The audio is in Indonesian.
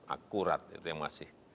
akurat itu yang masih